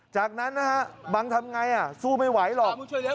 จากนั้นนะฮะบังทำไงสู้ไม่ไหวหรอก